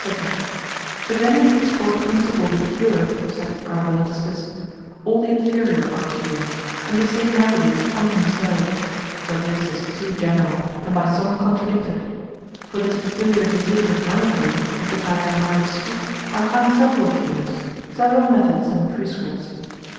If any of these four principal be cured (saith Ravelascus) all the inferior are cured, and the same remedies commonly serve: but this is too general, and by some contradicted: for this peculiar disease of melancholy, of which I am now to speak, I find several cures, several methods and prescripts.